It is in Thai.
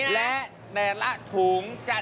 และแบบว่าถุงจะ